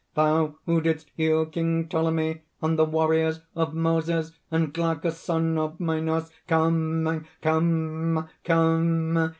thou who didst heal King Ptolemy, and the warriors, of Moses, and Glaucus, son of Minos! "Come! come!